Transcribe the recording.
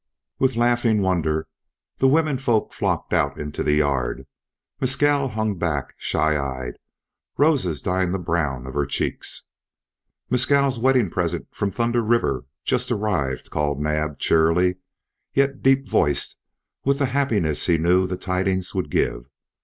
With laughing wonder the women folk flocked out into the yard. Mescal hung back shy eyed, roses dyeing the brown of her cheeks. "Mescal's wedding present from Thunder River. Just arrived!" called Naab cheerily, yet deep voiced with the happiness he knew the tidings would give.